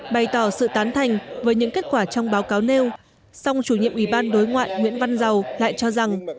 bày tỏ sự tán thành với những kết quả trong báo cáo nêu song chủ nhiệm ủy ban đối ngoại nguyễn văn giàu lại cho rằng